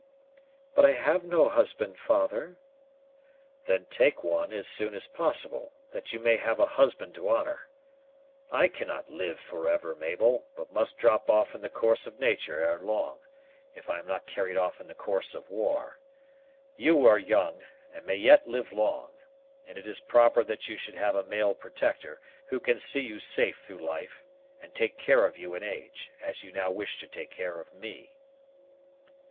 "But I have no husband, father." "Then take one as soon as possible, that you may have a husband to honor. I cannot live for ever, Mabel, but must drop off in the course of nature ere long, if I am not carried off in the course of war. You are young, and may yet live long; and it is proper that you should have a male protector, who can see you safe through life, and take care of you in age, as you now wish to take care of me."